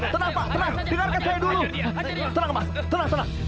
tenang mas tenang tenang